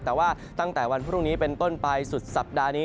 แต่ว่าตั้งแต่วันพรุ่งนี้เป็นต้นไปสุดสัปดาห์นี้